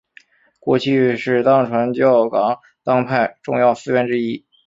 过去是藏传佛教噶当派重要寺院之一。